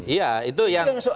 iya itu yang